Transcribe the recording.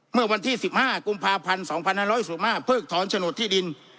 เมื่อวันที่สิบห้ากุมภาพันธ์สองพันห้าร้อยหกสิบห้าเพิกถอนฉโนตที่ดิน